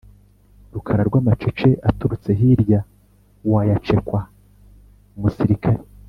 Rukara rw'amacece aturutse hirya wayacekwa-Umusirikare.